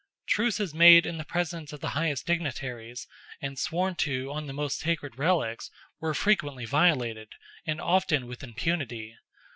Truces made in the presence of the highest dignitaries, and sworn to on the most sacred relics, were frequently violated, and often with impunity.